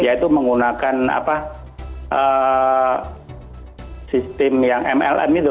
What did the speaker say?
yaitu menggunakan sistem yang mlm itu